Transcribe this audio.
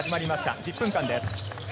１０分間です。